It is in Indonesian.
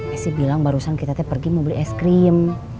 pasti bilang barusan kita pergi mau beli es krim